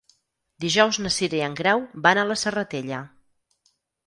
Dijous na Cira i en Grau van a la Serratella.